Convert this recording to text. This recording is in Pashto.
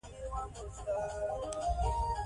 د څېړونکو له مخې، مایکروبونه د چلند پر بڼو اغېز لري.